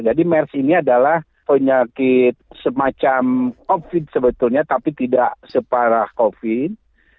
jadi mers ini adalah penyakit semacam covid sebetulnya tapi tidak separah covid